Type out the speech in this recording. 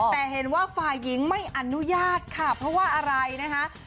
แต่เห็นว่าฝ่ายหญิงไม่อนุญาตค่ะเพราะว่าอะไรนะคะ